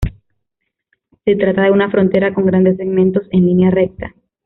Se trata de una frontera con grandes segmentos en línea recta.